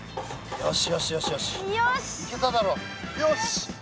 よし。